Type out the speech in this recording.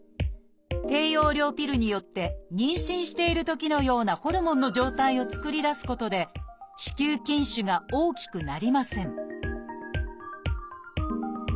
低用量ピルによって妊娠しているときのようなホルモンの状態を作り出すことで子宮筋腫が大きくなりません